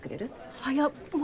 早っ。